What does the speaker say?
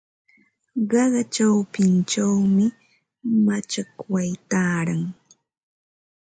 Qaqa chawpinchawmi machakway taaran.